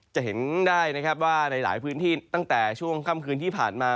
จะเห็นได้นะครับว่าในหลายพื้นที่ตั้งแต่ช่วงค่ำคืนที่ผ่านมา